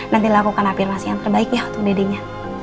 nanti lakukan apirmasi yang terbaik ya untuk dedenya